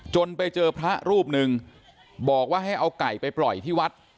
ไปเจอพระรูปหนึ่งบอกว่าให้เอาไก่ไปปล่อยที่วัด